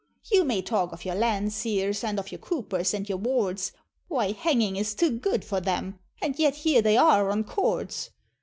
You may talk of your Landseers, and of your Coopers and your Wards, Why, hanging is too good for them, and yet here they are on cords!